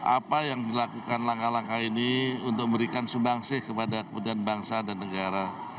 apa yang dilakukan langkah langkah ini untuk memberikan sumbangsih kepada kepentingan bangsa dan negara